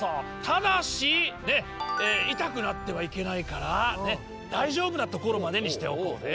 ただし痛くなってはいけないからだいじょうぶなところまでにしておこうね。